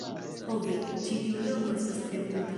Ho ve! ĉi tiu loko estas tre bunta!